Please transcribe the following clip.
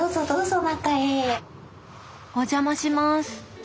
お邪魔します。